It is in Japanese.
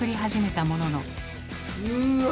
うわ。